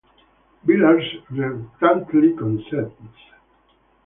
Villars reluctantly consents.